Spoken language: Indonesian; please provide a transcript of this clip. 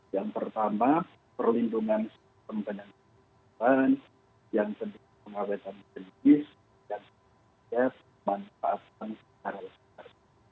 yang pertama perlindungan pembinaan hutan yang kedua pengawetan jenis dan yang ketiga pemanfaatan secara luas